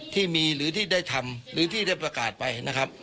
ที่มีหรือที่ได้ทำหรือที่ได้ประกาศไปนะครับ